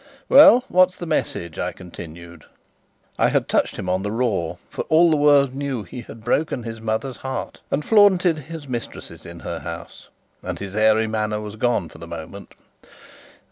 "Well, what's the message?" I continued. I had touched him on the raw, for all the world knew he had broken his mother's heart and flaunted his mistresses in her house; and his airy manner was gone for the moment.